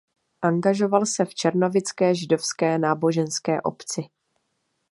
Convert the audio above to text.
Angažoval se v černovické židovské náboženské obci.